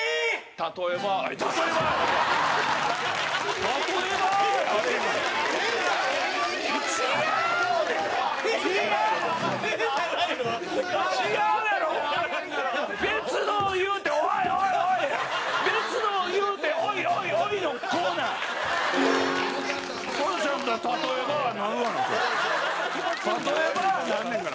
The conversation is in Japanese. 「たとえば」なんねんから。